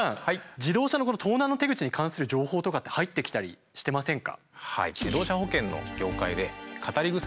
自動車の盗難の手口に関する情報とかって入ってきたりしてませんか？